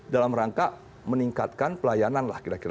dalam rangka meningkatkan pelayanan lah kira kira